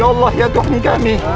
ya allah ya tuhan kami